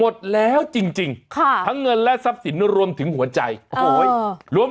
ทั้งเงินและทรัพย์สินรวมถึงหัวใจโอ้โหย